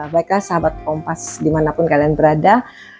baiklah sahabat kompas dimanapun kalian berada